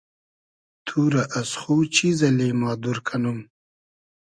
تو رۂ از خو چیز اللی ما دور کئنوم